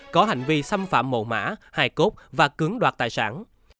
có hành vi xâm phạm mồ mã hài cốt và cứng đoạt tài sản